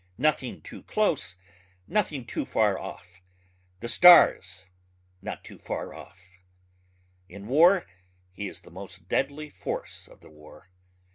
nothing too close, nothing too far off ... the stars not too far off. In war he is the most deadly force of the war.